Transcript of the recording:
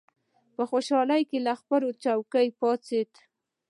په خوشالۍ له خپلې څوکۍ پاڅېد.